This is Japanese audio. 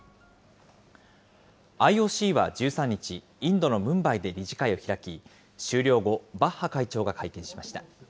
ＩＯＣは１３日、インドのムンバイで理事会を開き、終了後、バッハ会長が会見しました。